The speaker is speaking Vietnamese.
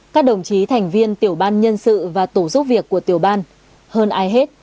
các đồng chí thành viên tiểu ban nhân sự và tổ giúp việc của tiểu ban hơn ai hết